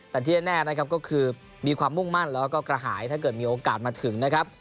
แต่ที่แน่นะครับก็คือมีความมุ่งมั่นแล้วก็กระหายถ้าเกิดมีโอกาสมาถึงนะครับ